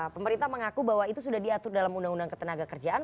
pemerintah mengaku bahwa itu sudah diatur dalam undang undang ketenaga kerjaan